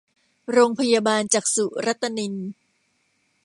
โรงพยาบาลจักษุรัตนิน